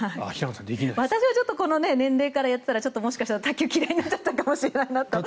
私はこの年齢からやっていたらちょっともしかしたら卓球嫌いになってたかもしれないなと。